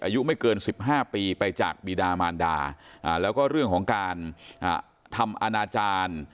อายุไม่เกิน๑๕ปีไปจากบีดามานดาแล้วก็เรื่องของการทำอนาจารย์